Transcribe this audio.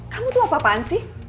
kamu tuh apa apaan sih